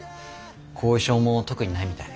後遺症も特にないみたい。